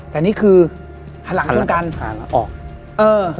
แต่นี่คือหันหลังชนกันหันหลังออกเออ